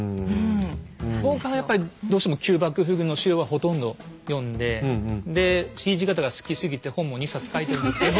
僕はやっぱりどうしても旧幕府軍の史料はほとんど読んでで土方が好きすぎて本も２冊書いてるんですけど。